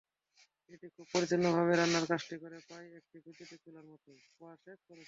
এটি খুব পরিচ্ছন্নভাবে রান্নার কাজটি করে, প্রায় একটি বৈদ্যুতিক চুলার মতোই।